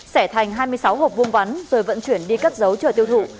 xẻ thành hai mươi sáu hộp vuông vắn rồi vận chuyển đi cất giấu cho tiêu thụ